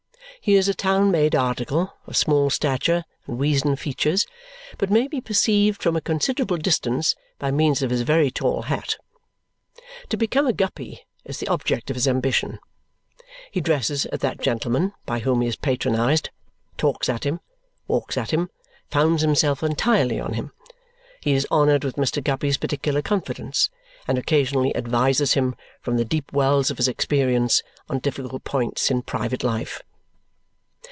He is a town made article, of small stature and weazen features, but may be perceived from a considerable distance by means of his very tall hat. To become a Guppy is the object of his ambition. He dresses at that gentleman (by whom he is patronized), talks at him, walks at him, founds himself entirely on him. He is honoured with Mr. Guppy's particular confidence and occasionally advises him, from the deep wells of his experience, on difficult points in private life.